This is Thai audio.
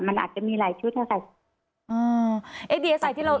มันอาจจะมีหลายชุดค่ะ